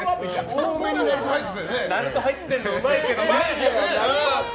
なると入ってるのうまいけどね。